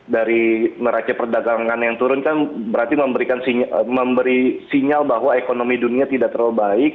dari neraca perdagangan yang turun kan berarti memberi sinyal bahwa ekonomi dunia tidak terlalu baik